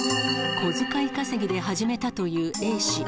小遣い稼ぎで始めたというＡ氏。